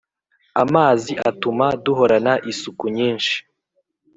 Amazi atuma duhorana isuku nyinshi